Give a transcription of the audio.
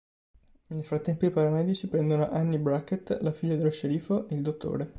Nel frattempo i paramedici prendono Annie Brackett, la figlia dello sceriffo, e il dott.